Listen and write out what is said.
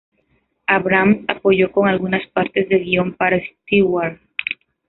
Abrams apoyó con algunas partes del guión para Stewart.